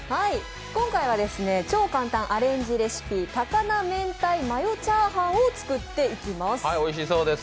今回は超簡単アレンジレシピ、高菜明太マヨチャーハンを作っていきます。